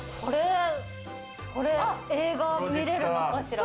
これ、映画見れるのかしら？